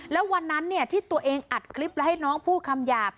แล้ววันนั้นที่ตัวเองอัดคลิปแล้วให้น้องพูดคำหยาบ